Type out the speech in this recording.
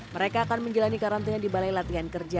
mereka akan menjalani karantina di balai latihan kerja